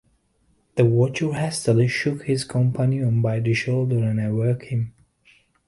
The watcher hastily shook his companion by the shoulder and awoke him.